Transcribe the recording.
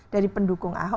dari pendukung ahok